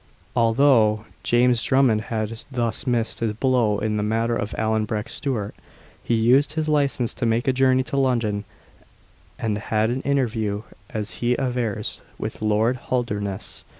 Although James Drummond had thus missed his blow in the matter of Allan Breck Stewart, he used his license to make a journey to London, and had an interview, as he avers, with Lord Holdernesse.